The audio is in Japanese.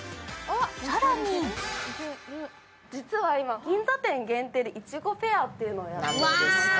更に実は今、銀座店限定でいちごフェアをやっています。